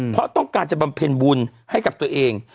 เพราะต้องการจะบำเพ็ญบุญให้กับตัวเอง